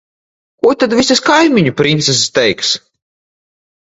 Ko tad visas kaimiņu princeses teiks?